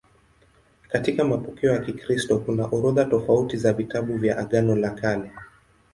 Katika mapokeo ya Kikristo kuna orodha tofauti za vitabu vya Agano la Kale.